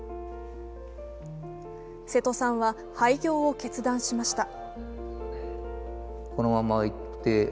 瀬戸さんは廃業を決断しました。